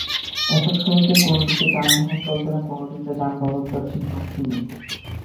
এসব সড়কের কোনোটিতে যানবাহন চলছে না, কোনোটিতে যানবাহন চলছে ঝুঁকি নিয়ে।